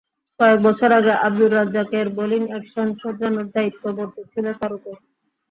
কয়েক বছর আগে আবদুর রাজ্জাকের বোলিং অ্যাকশন শোধরানোর দায়িত্ব বর্তেছিল তাঁর ওপর।